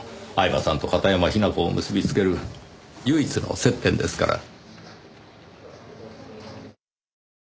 饗庭さんと片山雛子を結び付ける唯一の接点ですから。